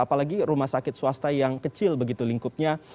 apalagi rumah sakit swasta yang kecil begitu lingkupnya